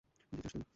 যেতে চাস তুই?